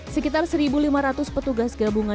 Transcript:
sekitar satu lima ratus petugas gabungan